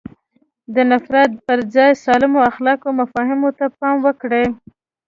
د نفرت پر ځای سالمو اخلاقي مفاهیمو ته پام وکړي.